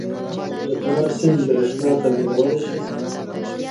د کنړ سیند بریښنا تولیدولی شي؟